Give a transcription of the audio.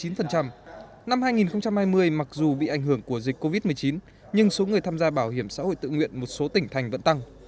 năm hai nghìn hai mươi mặc dù bị ảnh hưởng của dịch covid một mươi chín nhưng số người tham gia bảo hiểm xã hội tự nguyện một số tỉnh thành vẫn tăng